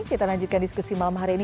kita lanjutkan diskusi malam hari ini